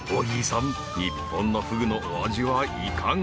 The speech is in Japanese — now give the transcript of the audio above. ［日本のふぐのお味はいかが？］